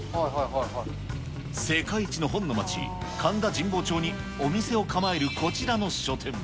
世界一の本の街、神田神保町にお店を構えるこちらの書店。